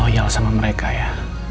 loyal sama mereka ya